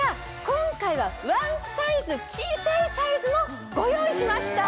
今回はワンサイズ小さいサイズもご用意しました。